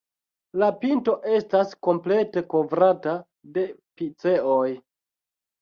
La pinto estas komplete kovrata de piceoj.